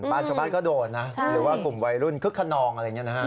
บ้านชาวบ้านก็โดนนะหรือว่ากลุ่มวัยรุ่นคึกขนองอะไรอย่างนี้นะฮะ